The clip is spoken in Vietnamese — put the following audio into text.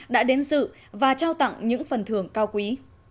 đã đến dự và trao tặng những phần thưởng cao quý